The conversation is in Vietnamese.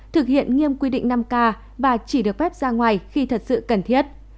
thực hiện nghiêm quy định năm k và chỉ được phép ra ngoài khi thật sự cần thiết